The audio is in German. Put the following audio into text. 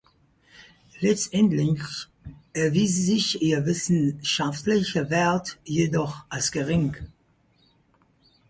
Letztendlich erwies sich ihr wissenschaftlicher Wert jedoch als gering.